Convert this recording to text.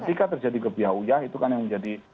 ketika terjadi gebiah uyah itu kan yang menjadi